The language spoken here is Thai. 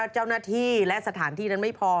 เจ้าหน้าที่และสถานที่นั้นไม่พอ